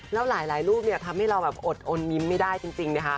แล้วหลายรูปเนี่ยทำให้เราแบบอดอนยิ้มไม่ได้จริงนะคะ